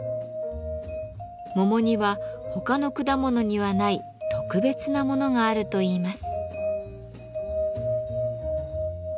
桃には他の果物にはない「特別なもの」があるといいます。